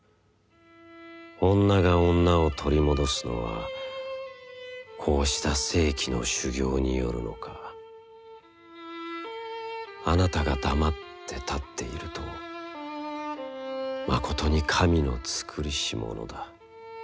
をんながをんなを取りもどすのはかうした世紀の修業によるのか。あなたが黙つて立つてゐるとまことに神の造りしものだ。